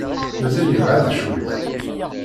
Mazal yebɛed cwiṭ.